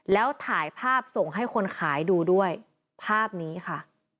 แล้วถ่ายภาพส่งให้คนขายดูด้วยภาพนี้ค่ะ